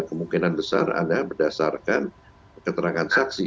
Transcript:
kemungkinan besar ada berdasarkan keterangan saksi